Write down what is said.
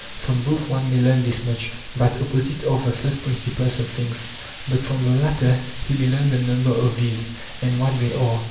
From both one may learn this much, that opposites are the first principles of things; but from the latter he may learn the number of these, and what they are.